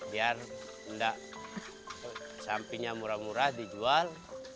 biar tidak sampingnya murah murah dijual